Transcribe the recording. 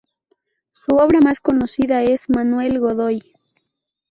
Su obra más conocida es "Manuel Godoy.